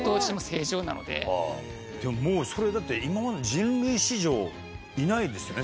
じゃあもうそれだって今までの人類史上いないですよね？